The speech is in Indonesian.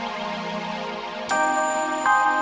bekommen hak mereka sendiri